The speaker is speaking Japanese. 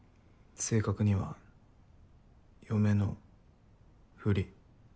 正確には嫁のふり。